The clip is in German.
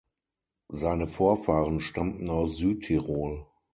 Seine Vorfahren stammten aus Südtirol.